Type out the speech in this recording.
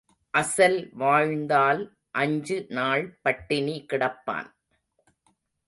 அசல் வாழ்ந்தால் அஞ்சு நாள் பட்டினி கிடப்பான்.